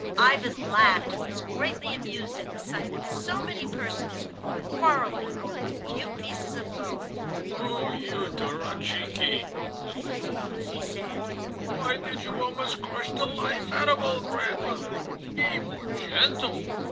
Ivan laughed and was greatly amused at the sight of so many persons quarrelling over a few pieces of gold. "Oh! you duratchki" (little fools), he said, "why did you almost crush the life out of the old grandmother? Be more gentle.